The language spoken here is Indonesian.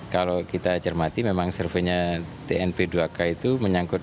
kalau kita cermati memang surveinya tnp dua k itu menyangkut